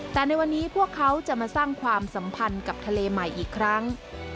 แต่ในวันนี้พวกเขาจะมาสร้างความสัมพันธ์กับทะเลใหม่อีกครั้ง